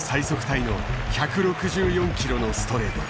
タイの１６４キロのストレート。